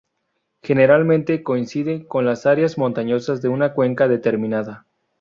Generalmente, coincide con las áreas montañosas de una cuenca determinada.